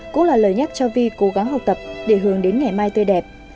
cũng là lời nhắc cho vi cố gắng học tập để hướng đến ngày mai tươi đẹp